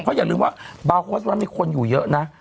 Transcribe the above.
เพราะอย่าลืมว่าบาร์โค้ชนั้นมีคนอยู่เยอะนะ